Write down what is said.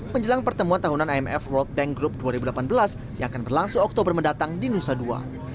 menjelang pertemuan tahunan imf world bank group dua ribu delapan belas yang akan berlangsung oktober mendatang di nusa dua